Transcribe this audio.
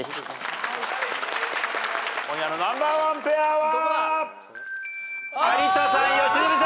今夜のナンバーワンペアは。